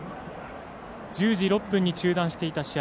１０時６分に中断していた試合